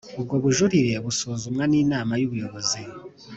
Ubwo bujurire busuzumwa n Inama y Ubuyobozi